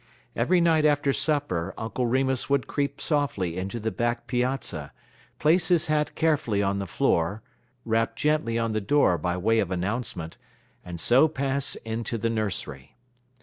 Every night after supper Uncle Remus would creep softly into the back piazza, place his hat carefully on the floor, rap gently on the door by way of announcement, and so pass into the nursery.